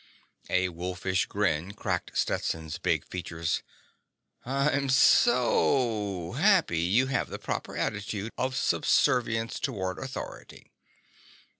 A wolfish grin cracked Stetson's big features. "I'm soooooo happy you have the proper attitude of subservience toward authority."